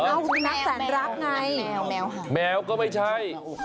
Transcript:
เอ้าสุนัขแสนรักไงแมวค่ะแมวก็ไม่ใช่